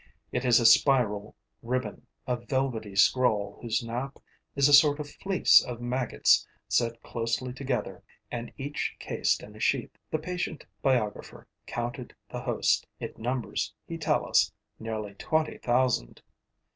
It is a spiral ribbon, a velvety scroll whose nap is a sort of fleece of maggots set closely together and each cased in a sheath. The patient biographer counted the host: it numbers, he tells us, nearly twenty thousand.